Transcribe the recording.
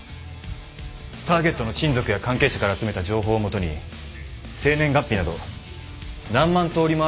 ターゲットの親族や関係者から集めた情報を基に生年月日など何万とおりもある数字の組み合わせから。